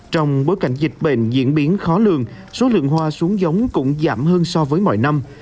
trong bối cảnh dịch bệnh diễn biến khó lường số lượng hoa xuống giống cũng giảm hơn so với mọi năm